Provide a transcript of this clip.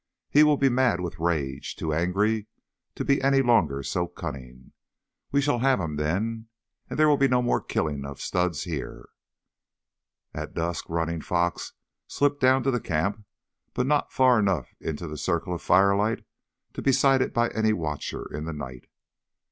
He will be mad with rage, too angry to be any longer so cunning. We shall have him then. And there will be no more killings of studs here." At dusk Running Fox slipped down to the camp, but not far enough into the circle of firelight to be sighted by any watcher in the night.